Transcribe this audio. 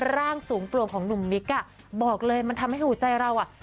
ร่างสูงโปร่งของหนุ่มมิกอ่ะบอกเลยมันทำให้หัวใจเราอ่ะ